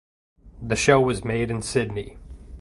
The show was made in Sydney.